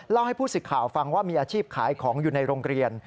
เล่าให้ผู้สิทธิ์ข่าวฟังว่ามีอาชีพขายของอยู่ในโรงเรียน